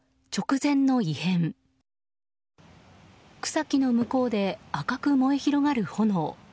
草木の向こうで赤く燃え広がる炎。